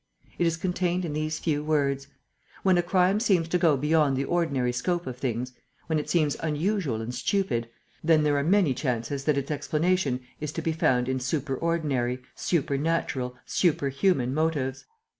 It is contained in these few words: when a crime seems to go beyond the ordinary scope of things, when it seems unusual and stupid, then there are many chances that its explanation is to be found in superordinary, supernatural, superhuman motives.